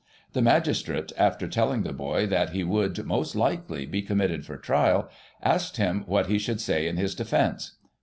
The Magistrate, after telling the boy that he would, most likely, be committed for trial, asked him what he could say in his defence.